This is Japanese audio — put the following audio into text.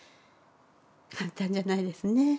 簡単じゃないですね。